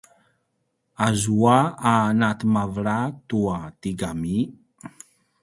azua a natemavelak tua tigami